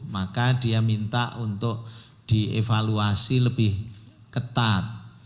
maka dia minta untuk dievaluasi lebih ketat